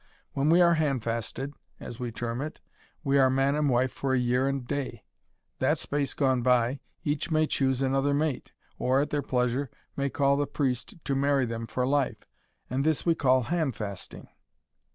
When we are handfasted, as we term it, we are man and wife for a year and day that space gone by, each may choose another mate, or, at their pleasure, may call the priest to marry them for life and this we call handfasting."